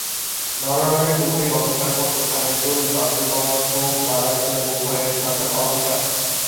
নরনারী উভয়েই অলঙ্কার পরত; কানের দুল, বাজুবন্ধ, বালা ছিল উভয়ের সাধারণ অলঙ্কার।